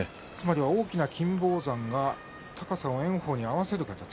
大きな金峰山が高さを炎鵬に合わせる形。